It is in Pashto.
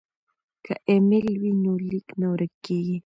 که ایمیل وي نو لیک نه ورک کیږي.